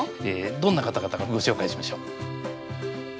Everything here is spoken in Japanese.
どんな方々かご紹介しましょう。